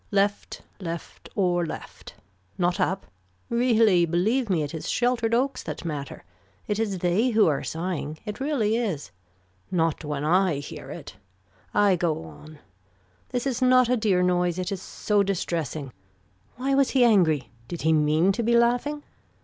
Left left or left. Not up. Really believe me it is sheltered oaks that matter. It is they who are sighing. It really is. Not when I hear it. I go on. This is not a dear noise. It is so distressing. Why was he angry. Did he mean to be laughing.